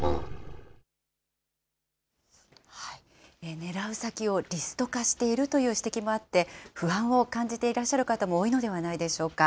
狙う先をリスト化しているという指摘もあって、不安を感じていらっしゃる方も多いのではないでしょうか。